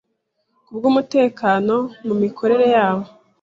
kubw'umutekano mu mikorere yabo